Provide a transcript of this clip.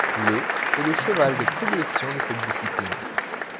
Le ' est le cheval de prédilection de cette discipline.